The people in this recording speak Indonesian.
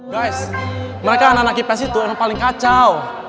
guys mereka anak anak kipes itu emang paling kacau